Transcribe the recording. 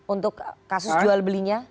untuk kasus jual belinya